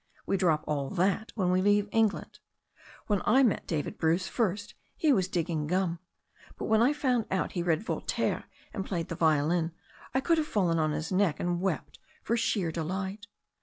We drop all that when we leave England. When I met David Bruce first he was digging gum, but when I found out he read Voltaire and played the violin I could liave fallen on his neck and wept for sheer delight.